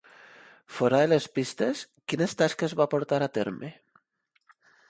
Fora de les pistes, quines tasques va portar a terme?